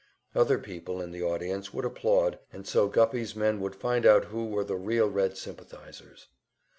Other people in the audience would applaud, and so Guffey's men would find out who were the real Red sympathizers.